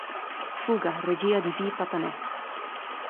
Fuga, regia di V. Patanè.